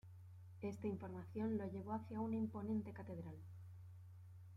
Esta información lo llevó hacia una imponente catedral.